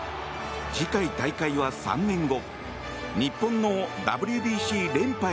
次回大会は３年後。